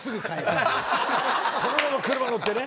そのまま車乗ってね。